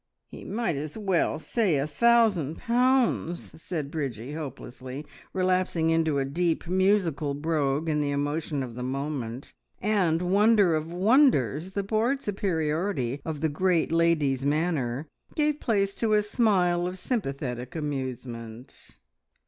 "Ye might as well say a thousand pounds!" said Bridgie hopelessly, relapsing into a deep, musical brogue in the emotion of the moment, and, wonder of wonders, the bored superiority of the great lady's manner gave place to a smile of sympathetic amusement.